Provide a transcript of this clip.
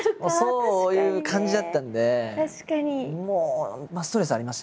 そういう感じだったんでもうストレスありましたよ。